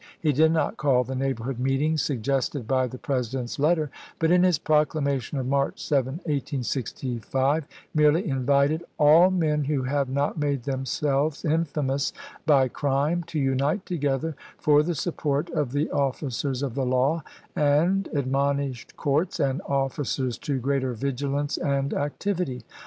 He did not call the neighborhood meetings suggested by the President's letter, but, in his proclamation of March 7, 1865, merely invited " all men who have not made themselves infamous by crime to unite together for the support of the offi cers of the law," and admonished courts and officers to greater \dgilance and activity.